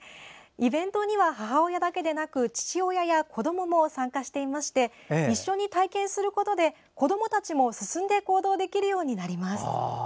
イベントには母親だけでなく父親や子どもも参加していまして一緒に体験することで子どもたちも進んで行動できるようになります。